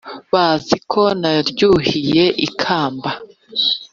Bazi ko naryuhiye inkaba